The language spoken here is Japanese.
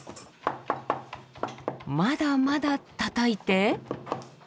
まだまだたたいて。